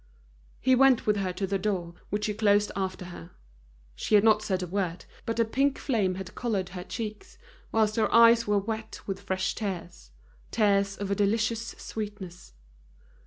He went with her to the door, which he closed after her. She had not said a word; but a pink flame had colored her cheeks, whilst her eyes were wet with fresh tears, tears of a delicious sweetness.